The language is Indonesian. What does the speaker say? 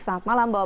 selamat malam bapak